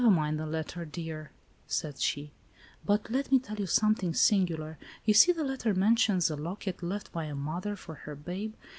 "Never mind the letter, dear," said she, "but let me tell you something singular. You see the letter mentions a locket left by a mother for her babe.